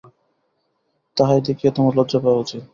তাহাই দেখিয়া তোমার লজ্জা পাওয়া উচিত।